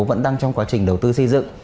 vẫn đang trong quá trình đầu tư xây dựng